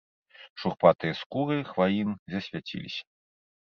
Шурпатыя скуры хваін засвяціліся.